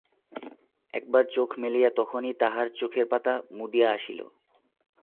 একবার চোখ মেলিয়া তখনই তাহার চোখের পাতা মুদিয়া আসিল।